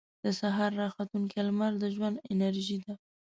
• د سهار راختونکې لمر د ژوند انرژي ده.